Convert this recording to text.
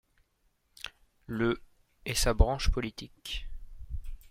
Le ' est sa branche politique.